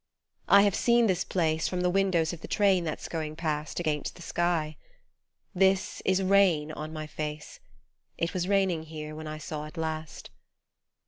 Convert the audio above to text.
I have seen this place From the windows of the train that's going past Against the sky. This is rain on my face It was raining here when I saw it last.